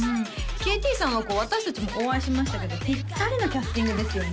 ＫＴさんは私達もお会いしましたけどピッタリなキャスティングですよね